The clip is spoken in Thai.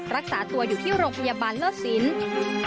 รักษาตัวอยู่ที่โรงพยาบาลเลิศสิน